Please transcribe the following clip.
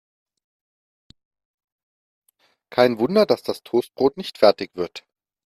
Kein Wunder, dass das Toastbrot nicht fertig wird.